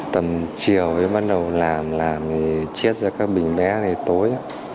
tầm chiều mới bắt đầu làm làm thì chiết ra các bình lẻ này tối